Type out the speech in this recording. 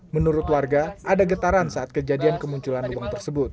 menurut warga ada getaran saat kejadian kemunculan lubang tersebut